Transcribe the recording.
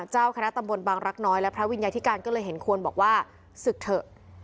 เจ้าคณะตำบลบางรักน้อยและพระวิญญาธิการก็เลยเห็นควรบอกว่าศึกเถอะ